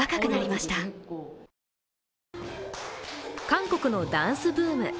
韓国のダンスブーム。